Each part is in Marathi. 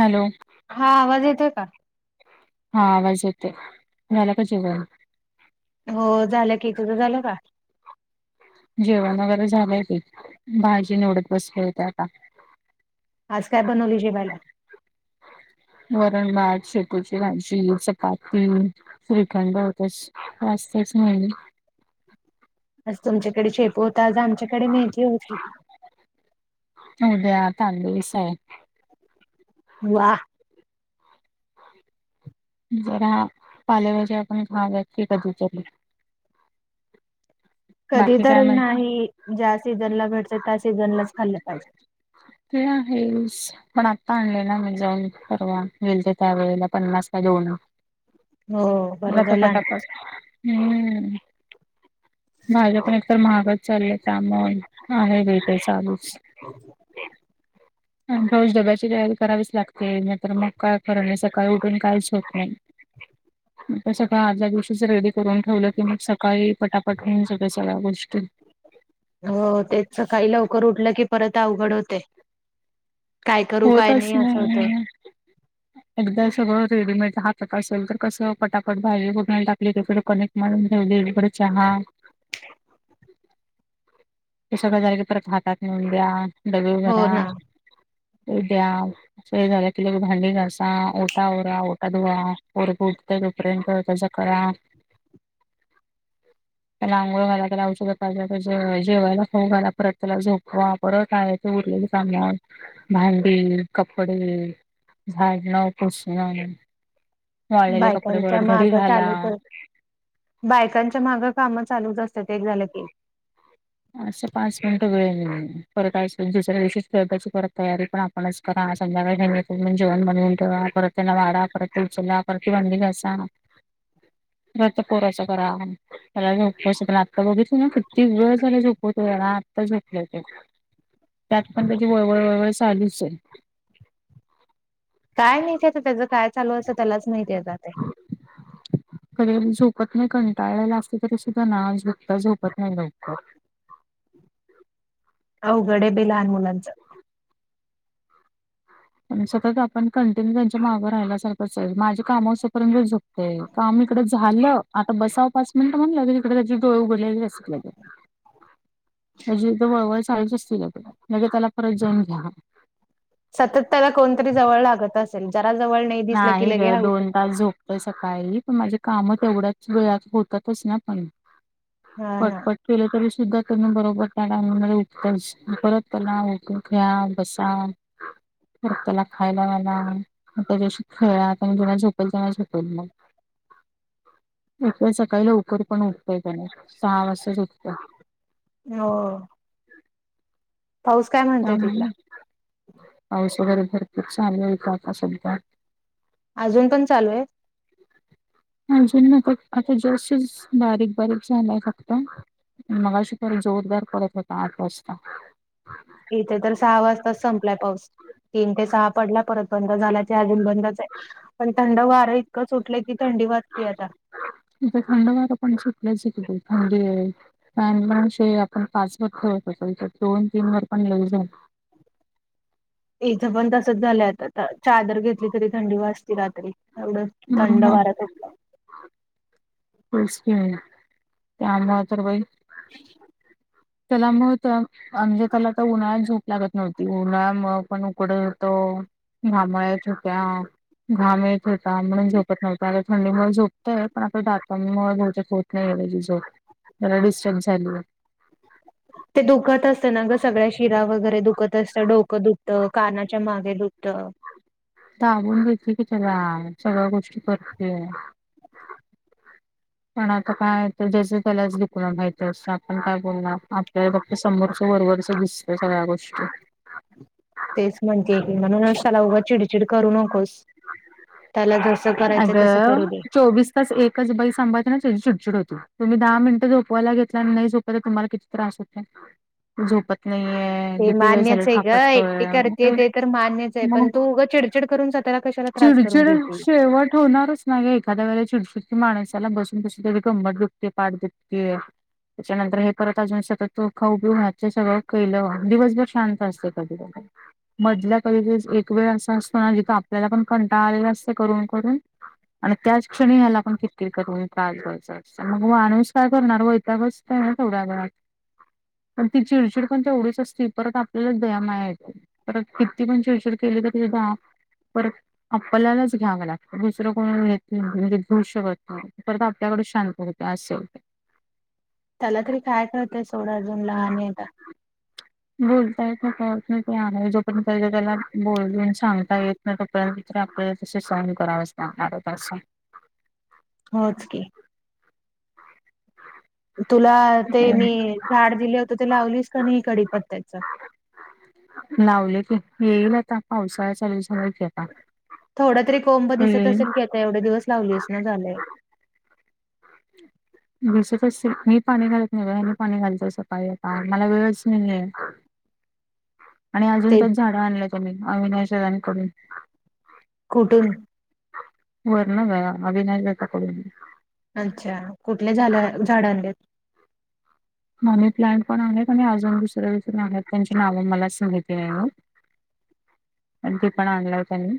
हॅलो. हा, आवाज येते का? हा, आवाज येते. झाला का जेवण? हो, झालं की, तुझ झालं का? जेवण वगैरे झालंय ते, भाजी निवडत बसले होते आता. आज काय बनवली जेवायला? वरण-भात, शेपूची भाजी, चपाती, श्रीखंड बस. असं झालं? आज तुमच्याकडे शेपू होता. आज आमच्याकडे मेथी होती. उद्या तांदुळसाय. वाहा. जरा पालेभाज्या आपण, मगा की कधी चली. कधी बाकी काय तरी म्हणता नाही, ज्या सीझनला भेटतं त्या सीझनलाच खाल्लं पाहिजे. ते आहेच, पण आता आणलेय ना मी जाऊन. परवा गेलते त्या वेळेला पन्नास ला दोन. हो बरं मत झालं आणलीस. पटापट हम्म. भाज्या पण एकतर महागच झालेत त्यामुळं आहे [unintelligible] चालू [unintelligible] रोज डब्याची तयारी करावीच लागते, नायतर मग काय खरं नाही सकाळी उठून काहीच होत नाही. [inaudible] सगळं आदल्या दिवशीच रेडी करून ठेवलं की मग सकाळी पटापट होेऊन जातंय सगळ्या गोष्टी. हो, तेच सकाळी लवकर उठलं की परत अवघड होते. काय करू काय नाही, असं होतय. एकदा सगळं रेडीमेड हातात असेल तर कसं, पटापट भाजी फोडणीला टाकली इकडं कणिक मग दोन्ही कडे चहा. हे सगळं झालं की परत हातात नेऊन द्या, डबे हो भरा. ना ते द्या. ते झालं की लगेच भांडी घासा, ओटा आवरा, ओटा धुवा. पोरगं उठतंय तोपर्यंत, त्याचं करा. आणि अंघोळ घालायला औषध पाजल्यापेक्षा जेवायला फोघाला परत त्याला झोप परत आहे ते उरलेली सामनवर भांडी कपडे झाडणं पुसन वाळलेले कपडे बायकांच्या परत घडी माग घाला चालूच अस बायकांच्या मागं काम चालूच असतात एक झालं की असं पाच मिनिटं वेळे नाही परत आहेच दुसऱ्या शीच खेळची परत तयारी पण मणच करा, संध्याकाळी [unintelligible] जेवण बनवून ठेवा, परत त्यांना वाढा, परत त उचला, परत ती भांडी घासा [inaudible] रथ पोराच करा त्याला उपवास पण आता बघित हो ना किती वेळ. ला झोपलो होतो, जरा आत्ता झोपले हो ते. त्यात पण त्याची वळवळ वळवळ चालूच आहे. काय नाहीे. तेचं-तेचं काय चालू असं त्यालाच माहिती आता ते. कधी-कधी झोपत नाही कंटाळलेला असतं तरी सुद्धा ना झोपता झोपत नाही लवकर. अवघड आहे बाई लहान मुलांचं पण सतत आपण कंटिन्यू त्यांच्या मागं राहायलासारखं माझे कामा असे परेंत झोप ते का आम्ही इकडें झालं आता बसाव पाच मिनिट म्हणलं तिकडे त्याचि डोळे उघडलेली असत म्हणजेती वळवळ चालूच असतील ल म्हणजे त्याला परत जाऊन घ्या सतत त्याला कोणतरी जवळ लागत असेल जरा जवळ नाही दिसलं नाही की आहे लगे ग हा दोन उठून तास झोप सकाळी पण माझे काम तेवढ्याच वेळात होतातच ना पण हा ना पटपट केलं तरी सुद्धा त्यां बरोबर का उठतच परत त्याला घ्या बसा उग बसा परत त्याला खायला घाला मला मग त्याच्याशी खेळा जेव झोपेल तेव्हा झोपेल मग [inaudible] एक सकाळीला लवकर पण उठतय त्याने सहा वाजच उठतं हो पाऊस काय म्हणतो पाऊस वगैरे भरपूर चालू आहे काआता सध्या अजून पण चालू आहे अजून ना आता आता जास् बारीक बारीक झालाय फक्त मघाशी पण जोरदार पडत होता आठ वाजता इथे तर सहा वाजताच संपलाय पाऊस तीन ते सहा पडला परत बंद झाला अजून बंदच आहे पण थंड वारं इतकं सुटलंय की थंडी वाजतीय आता इथ थंड वार पण सुटलंय थंडी आहे मगे आपण पाच वर ठेवत अस दोन तीन वर पण लई झाल इथ पण तसच झालं आता चादर घेतली तरी थंडी वाजती रात्री एवढं थंड मग वार होयच की बाई त्यामुळ तर बाई ह [inaudible] [unintelligible] त्याला म तर म्हणजे त्याला तर उन्हाळ्यात झोप लागत नव्हती उन्हाळा पण उकड तो घामोळ्या येत हुत्या घामे येत होता म्हणून झोपत नव्हतं आता थंडीमुळे झोपतंय पण आता दातामुळे होत झाली याची झोप याला डिस्टर्ब झाली बग ते दुखत असतं ना ग सगळ्या शिरा वगैरे दुखत असतं डोकं दुखतं कानाच्या मागे दुखत दाबून घेते की त्याला सगळ्या गोष्टी करते [inaudible] पण आता काय ज्याचं त्यालाच दुखणं माहिती असतं आपण काय बोलणार काय फक्त समोरच्या वरवर च दिसतंय सगळ्या गोष्टी तेच म्हणतीय की म्हणून त्याला उगच चिडचिड करू नकोस. त्याला जसं करायचं तसं करू अगं दे. चोवीस एकच बाई सांभाळती ना चिडचिड होती. तुम्ही दहा मिनट झोपवायला घेतला आणि नाही झो तुम्हाला किती त्रास होत झोपत नाहीये ते किती वेळ झाले मान्यच आहे ग थापटतोय ते म उग चिडचिड करून [unintelligible] करून चिडचिड घेते. शेवट होणारच नाहीे एखाद्या वेळे चिडचिडकी माणसाला बसून कशी ते कम्बर दुखते पाठ दुखते त्याच्यानंतर हे परत अजून सतत खाऊ पिऊ घातचे सगळं केलं दिवसभर शांत असते कधी कधी मधल्या कधी एक वेळ असा असतो ना जिथे आपल्याला पण कंटाळालेला असते करून करून आणि त्याच क्षणी ह्याला आपण किरकीर करून त्रास होत मग माणूस काय करणार वैताग बस [unintelligible] ना तेवड्यात घरात ती चिडचिड पण एवढीच असते परत आपल्यालाच दयामाया येत परत किती पण चिडचिड केली तरी द परत आपल्यालाच घ्यावं लागतं दुसरं कोणी घेत म्हणजे भू शिवत नाही. परत आपल्याकडे शांत होते असे होते. त्याला तरी काय कळतंय सोड अजून लहान आहे ना. बोलता येत नाहि ते आहे जो पण सांगता येत नाही त्याला बोलून सांगता येत नाही तोपर्यंत तरी आपल्या तसे सहन करावंच लागणारे त्याच होच की तुला ते मी असं झाड दिले होत ते लावलीस का नाही कडीपत्त्याच? लावले की, येईल आता पावसाळा चालू झालायकी आता. थोड तरी कोंब दिसत येईल असेल की आता एवढे दिवस लावलीस ना झालंय. दिसत असेल मी पाणी घालत नाही ग हेनी पाणी घालतय सकाळी आता मला वेळच नाहीये. [inaudible] आणि अजून पण झाडं आणलय त्यानी अविनाशदादांकडून. कुठून? वरण ग अविनाशदादांकडून अच्छा कुठल्या झाल्या झाड आणलेत? मनी प्लांट पण आणलेत आणि अजून दुसरे दुसर आहेत त्यांची नावं मलाच माहिती नयेत. आणि ते पण आणलाय त्यानी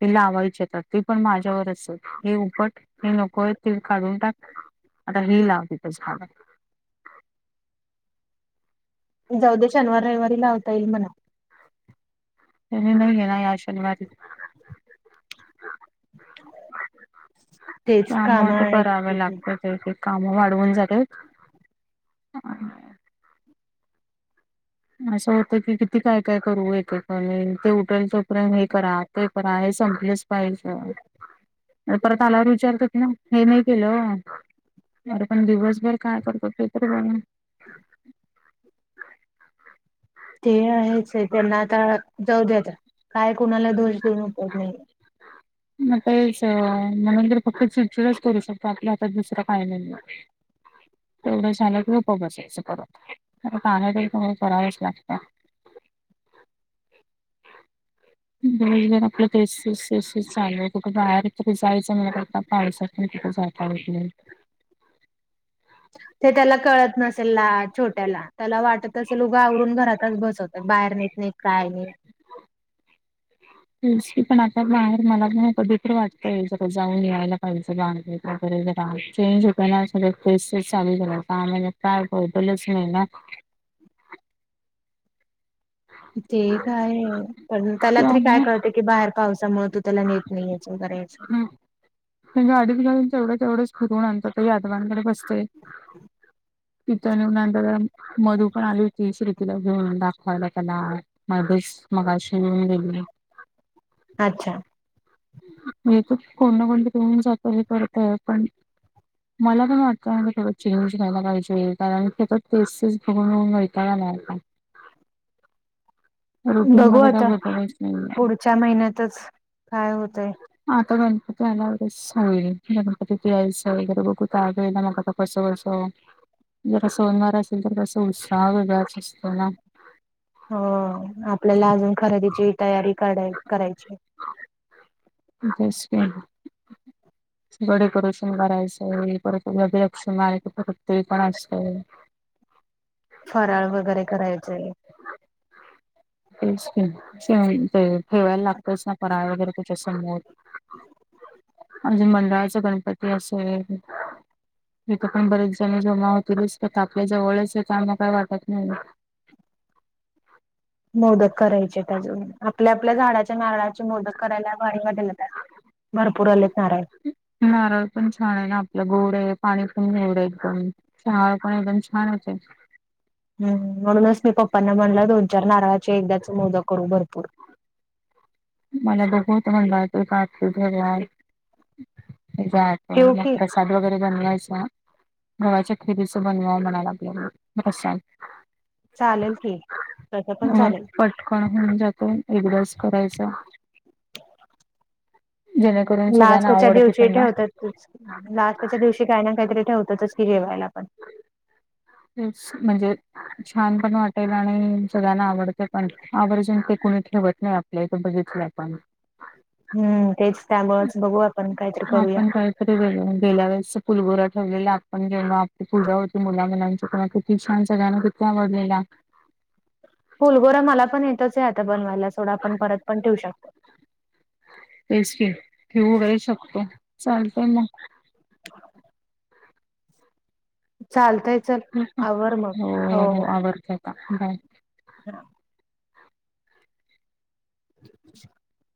ति लावायचीयेत ती पण माझ्यावरचे हे उपट हे नकोय ते काढून टाक आता हे लाव तिथं झाडं. जाऊ दे शनिवार रविवारी लावता येईल म्हणावं. त्यांनी नाहीये ना या शनिवारी. तेच त्यामुळे कामं तर करावे आहेत. लागेल. एक एक काम वाढवून जातायेत. [unintelligible] असं होतं की किती काय काय करू एकेकाणी ते उठेल तोपर्यंत हे करा ते पण आहे संपलेच पाहिजे. ने परत आल्यावर विचारत्यात ना हे नाही केलं? अरे पण दिवसभर काय करतात ते तरी बघा. ते आहेचे त्यांना आता जाऊ दे आता काय कुणाला दोष देण्यात उपयोग नाहीये. मग तेच म्हणून तर फक्त चिडचिडच करू शकतो आपल्या हातात दुसरं काय नाही म. तेवढं झालं की गप्प बसायचं परत परत आहे ते सगळं करावेच लागता. [unintelligible] शिळ शिळ शिळ चालूये कुठ बाहेर कुठ जायचं म्हटलं तरी आता पावसात पण कुठं जाता येतं नाही. ते त्याला कळत नसेल ला छोट्याला त्याला वाटत असेल उगा आवरून घरातच बसवतात बाहेर न नेत काय नाही. [inaudible] तुलसी पण आता बाहेर मला पण कधीतरी वाटतय जरा जाऊन यायला पाहिजे बाहेर. वगैरे जरा चेंज होताय ना सगळं तेच तेच चालूय जरा सहा महिने काय बदलच नाहीये ना. ते एक आहे पण त्याला किंवा तरी काय कळते. की बाहेर पावसामुळे तू त्याला नेत नही ये येच वगैरे येच मी गाडीत घालून तेवढ तेवढंच फिरवून आणता ते काही आजोबांकडे बसते. तिथ नी नंतर मधु पण आली होतीस श्रीतीला घेऊन दाखवायला त्याला मादश मगाशी नेऊन दिली आहे. [unintelligible] अच्छा. येतात कोण ना कोण तरी घेऊन जातात हे करतय पण मला पण वाटतं ना थोडं चेंज व्हायला पाहिजे कारण सतत तेच तेच बघून बघून वैताग काय झालं आता. रुटीन बघू मध्ये काय आता बदलच नाहीये. पुढच्या महिन्यातच काय होतय आता गणपती आल्यावरच होईल गणपतीत यायचं वगैरे बघू त्यावेळेला मग आता कस कसं जरा सणवार असेल तर कसं उत्साह वेगळाच असतो ना. हो आपल्याला अजून खरेदीची तयारी काढ करा करायची. म तेच की. [unintelligible] [inaudible] सगळं डेकोरेशन करायचंय ये परत अभिरक्षनाय [unintelligible] परत ते पण असतंय. फराळ वगैरे करायचंय. तेच की [unintelligible] ते ठेवायला लागतच ना फराळ वगैरे त्याच्या समोर. म्हणजे मंडळाचा गणपती असेल इथं पण बरेच झनी जमा होतीलच आता आपल्या जवळच आहे तर आम्हाला काय वाटत नाही. मोदक करायचे त्याजून आपल्या आपल्या झाडाच्या नारळा चे मोदक करायला भारी वाटेल आता भरपूर आलेत नारळ. नारळ पण छान आहे ना आपलं गोड आहे पाणी पण गोड आहे एकदम. नारळ पाणी पण एकदम छान होते. हम्म म्हणूनच मी पप्पांना म्हणलं दोन चार नारळाचे एकदाच मोदक करू भरपूर. [unintelligible] आपल्याकडे. ठेवू की [unintelligible] गव्हाच्या. [unintelligible] चालेल की तसं पण चालेल. कोण होऊन जात एकदाच करायच. लास्टच्या दिवशी ना ठेवतातच लास्टच्या दिवशी काही ना काहीतरी ठेवतातच की जेवायला पण. [inaudible] हम्म स म्हणजे छान पण वाटेल आणि सगळ्यांना आवडते पण आवर्जून ते कुणी ठेवत नाही आप आपल्या इथे बघितल्या पण. हम तेच त्यामुळेळच बघू आपण काहीतरी हा करूया पण कळत [unintelligible] के गेल्या वेळेस फुलबोरा ठेवलेल्या आपण घेणो आपली पूजा होती मुला मुलांची प शिक्षण सग गाण किती आवडलेला [unintelligible] फुलगोरा मला पण येतच आहे आता बनवायला सोडा आपण परत पण ठेवू शकतो टेस्टी कि वगैरे शकतो चालतय मग चालतय चल आवर मग हो आवडतेय का बाय हा [unintelligible]